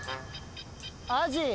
アジ。